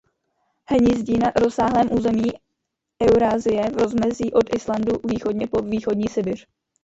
Hnízdí na rozsáhlém území Eurasie v rozmezí od Islandu východně po východní Sibiř.